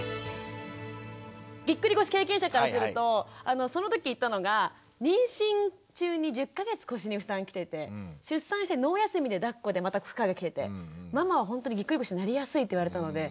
ぎっくり腰経験者からするとその時言ったのが妊娠中に１０か月腰に負担きてて出産してノー休みでだっこでまた負荷がきててママはほんとにぎっくり腰になりやすいって言われたので。